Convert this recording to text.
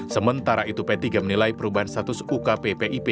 sementara itu p tiga menilai perubahan status ukppip